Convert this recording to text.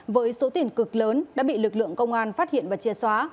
với số tiền cực lớn đã bị lực lượng công an phát hiện và chia xóa